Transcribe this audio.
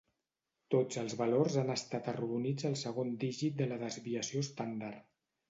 Tots els valors han estat arrodonits al segon dígit de la desviació estàndard.